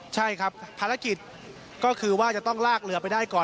ใช่ครับภารกิจก็คือว่าจะต้องลากเรือไปได้ก่อน